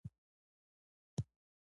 غریب د رحم تمه لري